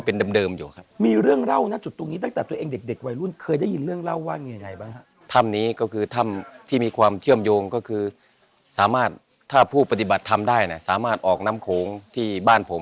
เห็นที่นี่ตั้งแต่อายุกี่ขวบที่แบบจำได้ว่าวิ่งเล่นหรือมาเดินไหน